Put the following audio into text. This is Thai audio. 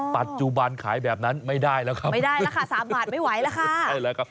ปัจจุบันขายแบบนั้นไม่ได้แล้วครับไม่ได้แล้วค่ะสามบาทไม่ไหวแล้วค่ะ